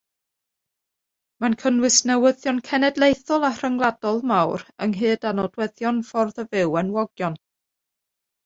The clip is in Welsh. Mae'n cynnwys newyddion cenedlaethol a rhyngwladol mawr ynghyd â nodweddion ffordd o fyw enwogion.